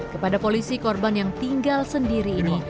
kepada polisi korban yang tinggal sendiri ini